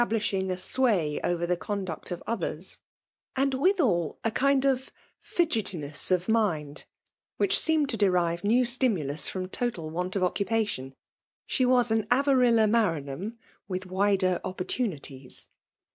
2B5 blishing a sway oyer the conduct of others; and mthal a certain fidgetiness of mind> which seemed to derive new stimulus from total want of occupation. She was an Avarilla Maran ham, with wi^er opportunities.